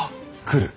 来る。